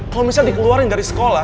kalau misalnya dikeluarin dari sekolah